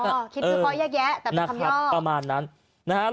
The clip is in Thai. คิดคือคอยแยะแต่เป็นคำย่อ